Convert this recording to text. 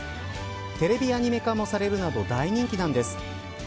テレビアニメ化もされるなど大人気なんです。